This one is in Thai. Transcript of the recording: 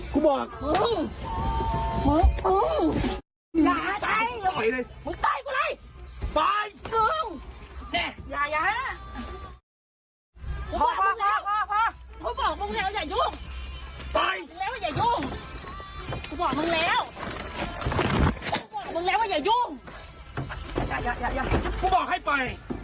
กูบอกมึงมึงมึงมึงมึงมึงมึงมึงมึงมึงมึงมึงมึงมึง